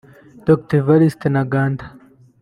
Dr Evariste Ntaganda